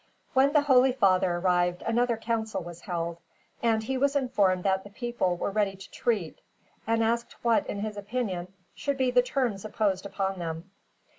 When the holy father arrived another council was held, and he was informed that the people were ready to treat, and asked what, in his opinion, should be the terms imposed upon them.